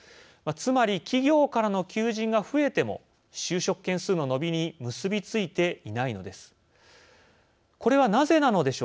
つまり企業からの求人が増えても就職件数の伸びに結びついていないのです。